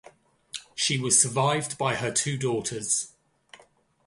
She was survived by her two daughters.